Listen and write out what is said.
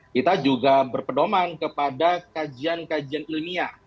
kita juga berpedoman kepada kajian kajian ilmiah